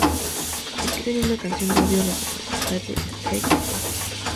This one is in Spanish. Escriben una canción de odio a los deportes, "Hate sport".